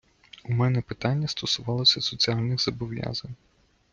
У мене питання стосувалося соціальних зобов'язань.